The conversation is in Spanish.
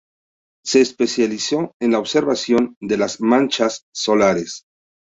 Se especializó en la observación de las manchas solares.